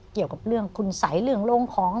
เกี่ยวกับเรื่องคุณสัยเรื่องโรงของ